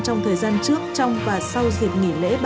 trong thời gian trước trong và sau dịp nghỉ lễ